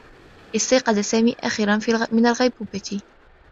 استيقظ سامي أخيرا من الغيبوبة.